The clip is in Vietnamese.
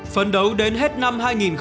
phấn đấu đến hết năm hai nghìn hai mươi